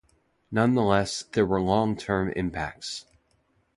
Nonetheless, there were long-term impacts.